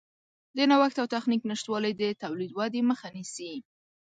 د نوښت او تخنیک نشتوالی د تولیدي ودې مخه نیسي.